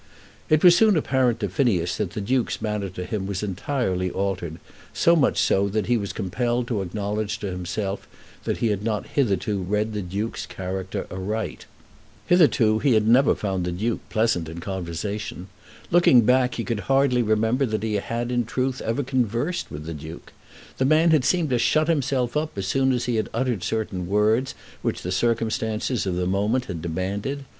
It was soon apparent to Phineas that the Duke's manner to him was entirely altered, so much so that he was compelled to acknowledge to himself that he had not hitherto read the Duke's character aright. Hitherto he had never found the Duke pleasant in conversation. Looking back he could hardly remember that he had in truth ever conversed with the Duke. The man had seemed to shut himself up as soon as he had uttered certain words which the circumstances of the moment had demanded.